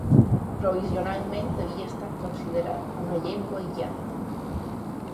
Provisionalment havia estat considerat una llengua aïllada.